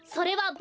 ボ。